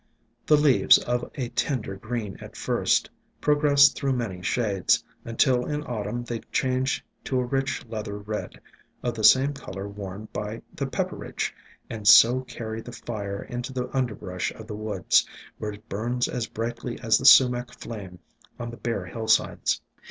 The leaves, of a tender green at first, progress through many shades, until in Autumn they change to a rich leather red, of the same color worn by the Pepperidge, and so carry the fire into the underbrush of the woods, where it burns as brightly as the Sumac flame on the bare hillsides.